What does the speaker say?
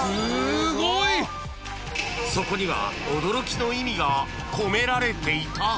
［そこには驚きの意味が込められていた！？］